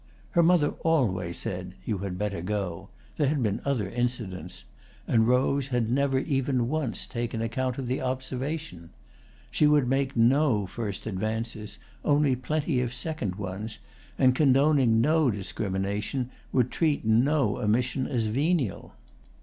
Her mother always said "You had better go"—there had been other incidents—and Rose had never even once taken account of the observation. She would make no first advances, only plenty of second ones, and, condoning no discrimination, would treat no omission as venial.